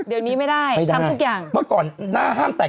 เดี๋ยวนี้ไม่ได้ทำทุกอย่าง